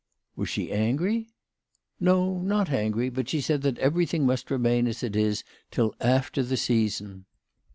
" Was she angry ?"" No ; .not angry ; bat she said that everything must remain as it is till after the season.